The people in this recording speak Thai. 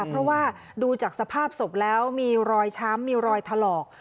เพราะว่าดูจากสภาพศพแล้วมีรอยช้ำมีรอยถลอก